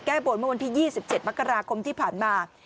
แก้บนเมื่อวันที่๒๗มกราคมที่ผ่านมา